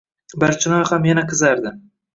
Barchinoy ham yana qizardi.